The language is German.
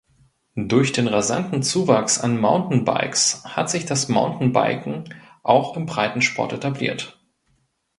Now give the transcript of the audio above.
Durch den rasanten Zuwachs an Mountainbikes hat sich das Mountainbiken auch im Breitensport etabliert.